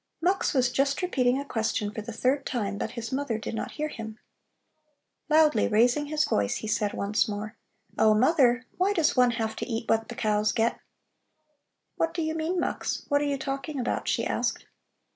Mux was just repeating a question for the third time, but his mother did not hear him. Loudly raising his voice he said once more: "Oh, mother, why does one have to eat what the cows get?" "What do you mean, Mux? What are you talking about?" she asked.